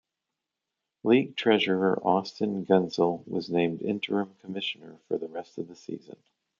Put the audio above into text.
League Treasurer Austin Gunsel was named interim commissioner for the rest of the season.